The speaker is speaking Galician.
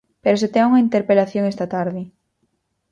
¡Pero se ten unha interpelación esta tarde!